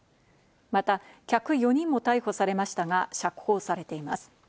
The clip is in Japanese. また、客４人も逮捕されましたが、釈放されています。